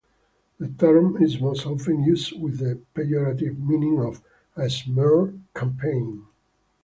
The term is most often used with the pejorative meaning of a smear campaign.